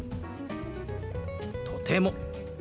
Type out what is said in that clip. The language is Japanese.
「とても」。